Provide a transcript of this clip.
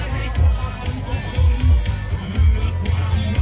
ยืดกบหาละคะให้ความคงคง